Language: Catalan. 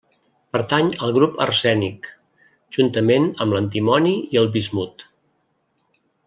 Pertany al grup arsènic, juntament amb l'antimoni i el bismut.